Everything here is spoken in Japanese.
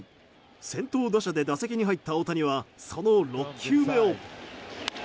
先頭打者で打席に入った大谷はその６球目を。